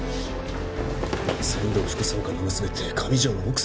千堂副総監の娘って上條の奥さんだろ。